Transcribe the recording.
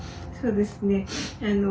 そうですね。